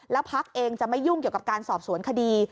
แล้วพักเองจะไม่ยุ่งเกี่ยวกับการสอบสวนคดี